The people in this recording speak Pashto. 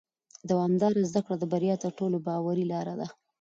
دوامداره زده کړه د بریا تر ټولو باوري لاره ده